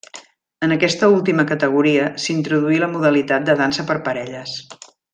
En aquesta última categoria s'introduí la modalitat de dansa per parelles.